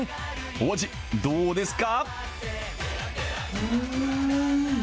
王子、どうですか？